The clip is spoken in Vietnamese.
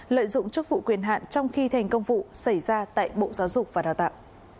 lợi dụng chức vụ quyền hạn trong khi thành công vụ xảy ra tại bộ giáo dục và đào tạo